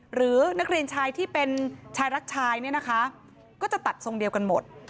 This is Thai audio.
หรือนักเรียนชายที่เป็นชายรักชายเนี่ยนะคะก็จะตัดทรงเดียวกันหมด